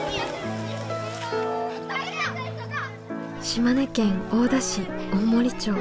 島根県大田市大森町。